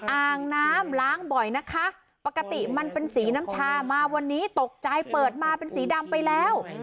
อ่างน้ำล้างบ่อยนะคะปกติมันเป็นสีน้ำชามาวันนี้ตกใจเปิดมาเป็นสีดำไปแล้ว